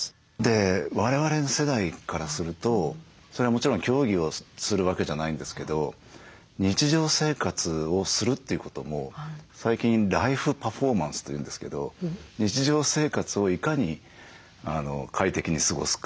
我々の世代からするとそれはもちろん競技をするわけじゃないんですけど日常生活をするということも最近ライフパフォーマンスというんですけど日常生活をいかに快適に過ごすか。